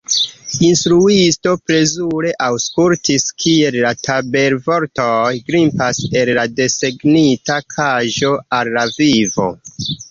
Instruisto plezure aŭskultis kiel la tabelvortoj grimpas el la desegnita kaĝo al la vivo.